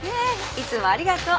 いつもありがとう。